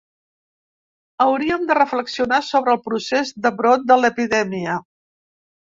Hauríem de reflexionar sobre el procés de brot de l’epidèmia.